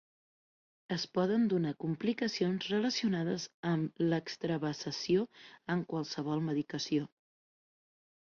Es poden donar complicacions relacionades amb l'extravasació amb qualsevol medicació.